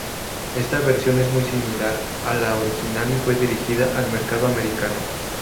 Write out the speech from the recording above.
Esta versión es muy similar a la original y fue dirigida al mercado americano.